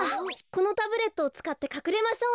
このタブレットをつかってかくれましょう。